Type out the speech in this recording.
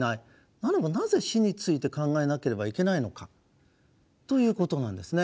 ならばなぜ死について考えなければいけないのかということなんですね。